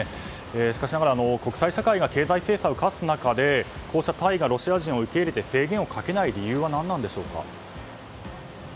しかしながら、国際社会が経済制裁を科す中でタイがロシア人を受け入れて制限をかけない理由は何なんでしょうか？